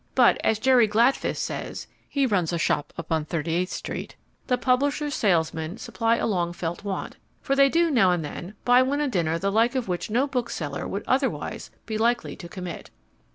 But, as Jerry Gladfist says (he runs a shop up on Thirty Eighth Street) the publishers' salesmen supply a long felt want, for they do now and then buy one a dinner the like of which no bookseller would otherwise be likely to commit.